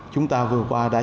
chúng ta vừa qua đã